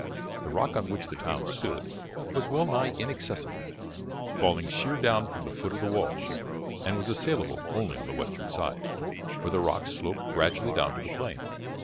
The rock on which the town stood was well nigh inaccessible, falling sheer down from the foot of the walls, and was assailable only on the western side, where the rocks sloped gradually down to the plain.